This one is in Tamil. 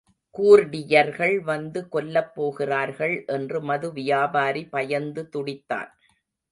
கூர்டியர்கள் வந்து கொல்லப்போகிறார்கள் என்று மது வியாபாரி பயந்து துடித்தான்.